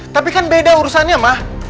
tapi kan beda urusannya mah